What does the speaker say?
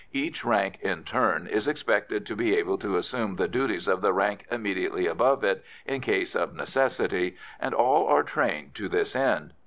Each rank in turn is expected to be able to assume the duties of the rank immediately above it, in case of necessity, and all are trained to this end.